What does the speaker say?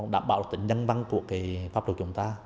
đảm bảo tình nhân văn của pháp luật chúng ta